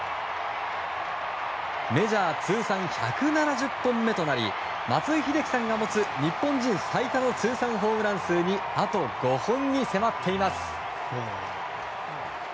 メジャー通算１７０本目となり松井秀喜さんが持つ日本人最多の通算ホームラン数にあと５本に迫っています。